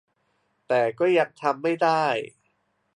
แต่ก็ยังทำไม่ได้